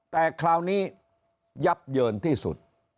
แต่คราวนี้ยับเยินที่สุด